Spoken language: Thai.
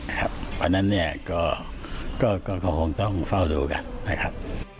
เพราะฉะนั้นเนี่ยก็คงต้องเฝ้าดูกันนะครับ